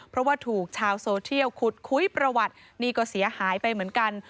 เพราะว่าถูกชาวโซเทียลขุดคุยประวัตินี่ก็เสียหายไปเหมือนกัน